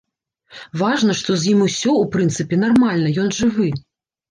Важна, што з ім усё, у прынцыпе, нармальна, ён жывы.